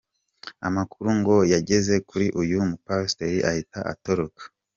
Amakuru ngo yageze kuri uyu mupasiteri ahita atoroka.